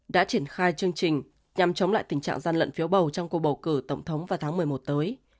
đã triển khai chương trình nhằm chống lại tình trạng gian lận phiếu bầu trong cuộc bầu cử tổng thống vào tháng một mươi một tới